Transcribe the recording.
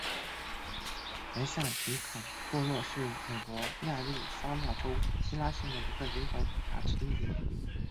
梅萨迪卡布洛是位于美国亚利桑那州希拉县的一个人口普查指定地区。